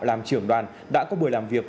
làm trưởng đoàn đã có buổi làm việc